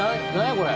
これ。